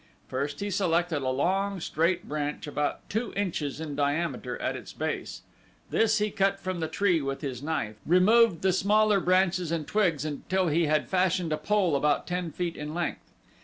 First he selected a long, straight branch about two inches in diameter at its base. This he cut from the tree with his knife, removed the smaller branches and twigs until he had fashioned a pole about ten feet in length.